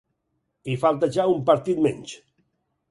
I falta ja un partit menys.